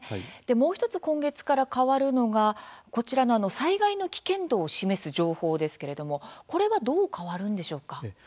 もう１つ、今月から変わるのがこちらの災害の危険度を示す情報ですけれどもこれはどう変わるんでしょうか？